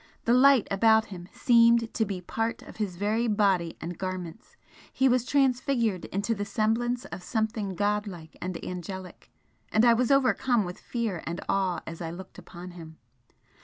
The light about him seemed to be part of his very body and garments he was transfigured into the semblance of something god like and angelic and I was overcome with fear and awe as I looked upon him.